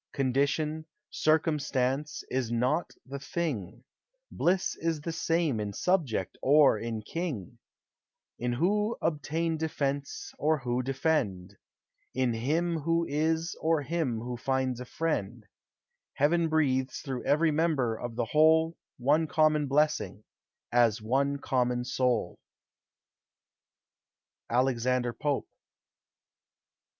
Condition, circumstance, is not the thing: Bliss is the same in subject or in king, In who obtain defence or who defend, In him who is or him who finds a friend; Heaven breathes through every member of the whole One common blessing, as one common soul. ALEXANDER POPE.